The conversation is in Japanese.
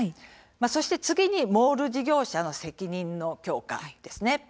そして次にモール事業者の責任の強化です。